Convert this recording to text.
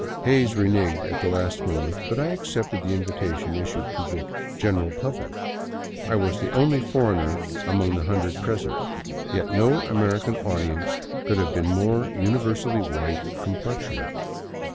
'* Hays renigged at the last moment, but I accepted the invitation issued to the " general public." I was the only foreigner among the hundred present, yet no American audience could have been more universally white of complexion.